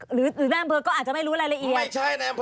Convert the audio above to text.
หรือนั่งเบอร์ก็อาจจะไม่รู้รายละเอียดไม่ใช่นะอำเภอ